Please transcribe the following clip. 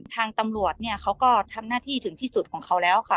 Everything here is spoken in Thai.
ทางตำรวจเนี่ยเขาก็ทำหน้าที่ถึงที่สุดของเขาแล้วค่ะ